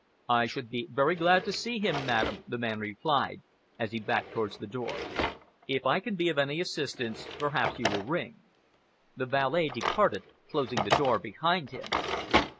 "I should be very glad to see him, madam," the man replied, as he backed towards the door. "If I can be of any assistance, perhaps you will ring." The valet departed, closing the door behind him.